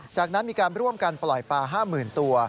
จากนั้นมีการร่วมกันปล่อยปลา๕๐๐๐ตัว